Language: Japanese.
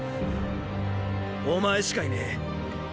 お前しかいねェ。